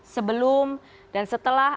sebelum dan setelah